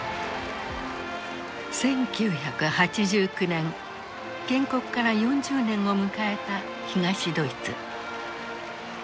１９８９年建国から４０年を迎えた東ドイツ。